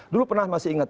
dulu pernah masih ingat